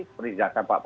seperti di datang pak